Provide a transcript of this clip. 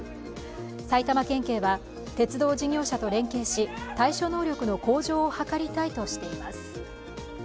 埼玉県警は鉄道事業者と協力し対処能力の向上を図りたいとしています。